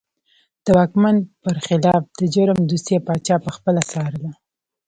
د واکمن پر خلاف د جرم دوسیه پاچا پخپله څارله.